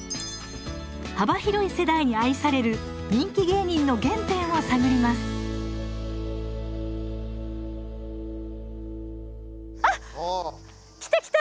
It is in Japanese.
幅広い世代に愛される人気芸人の原点を探りますあっ来た来た。